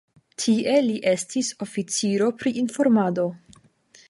Tie li estis oficiro pri informado.